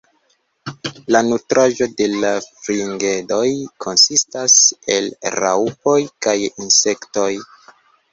La nutraĵo de la fringedoj konsistas el raŭpoj kaj insektoj.